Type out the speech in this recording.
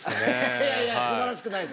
いやいやすばらしくないです。